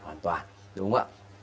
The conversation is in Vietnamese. hoàn toàn đúng không ạ